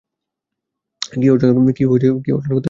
কী অর্জন করতে চাও!